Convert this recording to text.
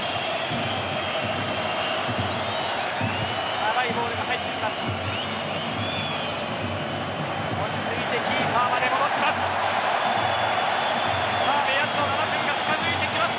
長いボールが入ってきます。